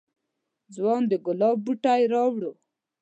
ځوان د گلاب بوټی واړاوه.